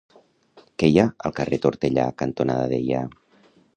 Què hi ha al carrer Tortellà cantonada Deià?